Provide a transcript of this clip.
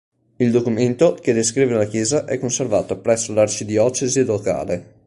Il documento, che descrive la chiesa è conservato presso l’Arcidiocesi locale.